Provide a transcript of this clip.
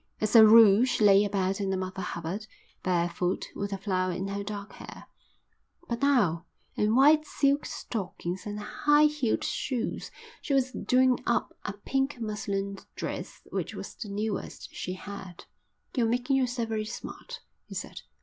As a rule she lay about in a Mother Hubbard, barefoot, with a flower in her dark hair; but now, in white silk stockings and high heeled shoes, she was doing up a pink muslin dress which was the newest she had. "You're making yourself very smart," he said.